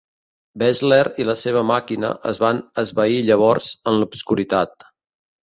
Bessler i la seva màquina es van esvair llavors en l'obscuritat.